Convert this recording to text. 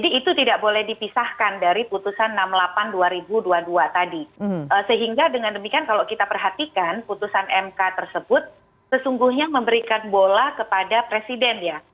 itu tidak boleh dipisahkan dari putusan enam puluh delapan dua ribu dua puluh dua tadi sehingga dengan demikian kalau kita perhatikan putusan mk tersebut sesungguhnya memberikan bola kepada presiden ya